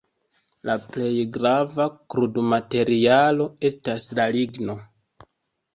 La plej grava krudmaterialo estas la ligno.